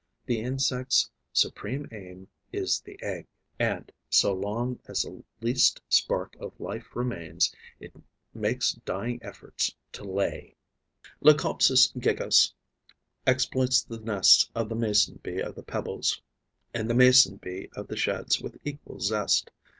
The insect's supreme aim is the egg; and, so long as the least spark of life remains, it makes dying efforts to lay. Leucopsis gigas exploits the nests of the Mason bee of the Pebbles and the Mason bee of the Sheds with equal zest.